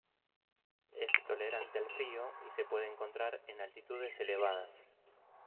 Es tolerante al frío y se puede encontrar en altitudes elevadas.